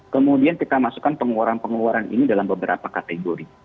kemudian kita masukkan pengeluaran pengeluaran ini dalam beberapa kategori